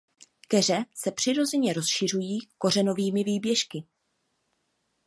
Keře se přirozeně rozšiřují kořenovými výběžky.